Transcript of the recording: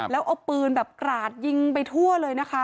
แล้วเอาปืนแบบกราดยิงไปทั่วเลยนะคะ